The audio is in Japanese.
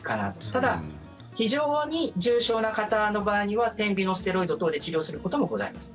ただ、非常に重症な方の場合には点鼻のステロイド等で治療することもございます。